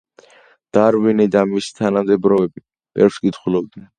დარვინი და მისი თანამედროვეები ბევრს კითხულობდნენ.